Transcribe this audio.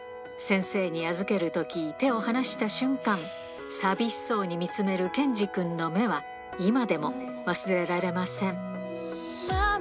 先生に預けるとき手を離した瞬間、寂しそうに見つめる剣侍くんの目は、今でも忘れられません。